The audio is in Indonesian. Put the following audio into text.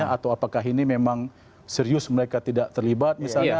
atau apakah ini memang serius mereka tidak terlibat misalnya